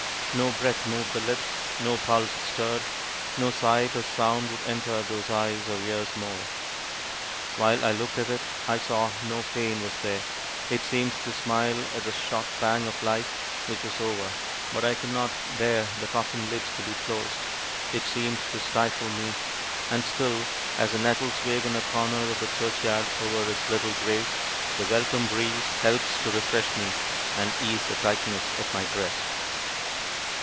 No breath moved the lips, no pulse stirred, no sight or sound would enter those eyes or ears more. While I looked at it, I saw no pain was there; it seemed to smile at the short pang of life which was over: but I could not bear the coffin lid to be closed it seemed to stifle me; and still as the nettles wave in a corner of the churchyard over his little grave, the welcome breeze helps to refresh me, and ease the tightness at my breast!